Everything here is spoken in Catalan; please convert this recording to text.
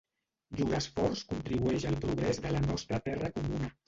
Llur esforç contribueix al progrés de la nostra terra comuna.